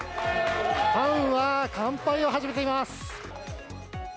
ファンは乾杯を始めています。